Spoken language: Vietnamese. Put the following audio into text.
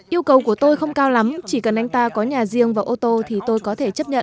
yêu cầu của tôi không cao lắm chỉ cần anh ta có nhà riêng và ô tô thì tôi có thể chấp nhận